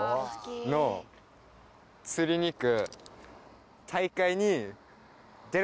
の釣りに行く。